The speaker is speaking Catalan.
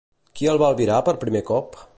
Qui el va albirar per primer cop?